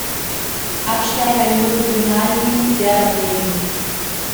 Absteiger in die Regionalligen: Werder Bremen.